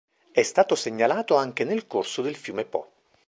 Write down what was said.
È stato segnalato anche nel corso del fiume Po.